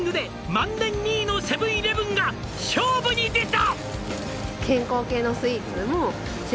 「万年２位のセブン−イレブンが勝負に出た」